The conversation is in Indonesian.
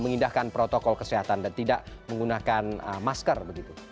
mengindahkan protokol kesehatan dan tidak menggunakan masker begitu